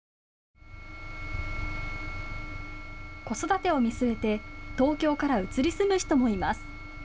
子育てを見据えて東京から移り住む人もいます。